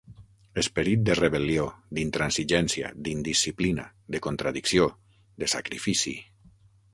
Esperit de rebel·lió, d'intransigència, d'indisciplina, de contradicció, de sacrifici.